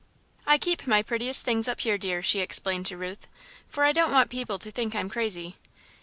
"I keep my prettiest things up here, dear," she explained to Ruth, "for I don't want people to think I'm crazy."